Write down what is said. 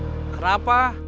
saya mau cari dep kolektor